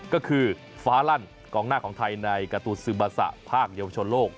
ก็คือฟ้าลั่นกองหน้าของไทยในการ์ตูนซึมาสะภาคเยาวชนโลก